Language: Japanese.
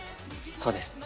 そうです。